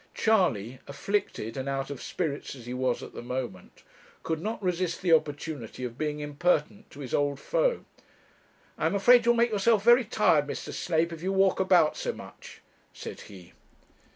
Charley, afflicted and out of spirits as he was at the moment, could not resist the opportunity of being impertinent to his old foe: 'I'm afraid you'll make yourself very tired, Mr. Snape, if you walk about so much,' said he.